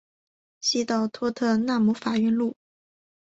西到托特纳姆法院路。